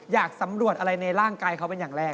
อยากสำรวจอะไรในร่างกายเขาเป็นอย่างแรก